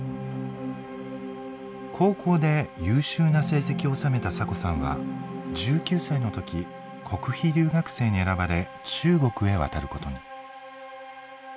高校で優秀な成績を収めたサコさんは１９歳の時国費留学生に選ばれ中国へ渡ることに。